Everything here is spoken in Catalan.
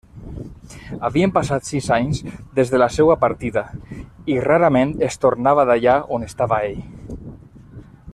Havien passat sis anys des de la seua partida, i rarament es tornava d'allà on estava ell.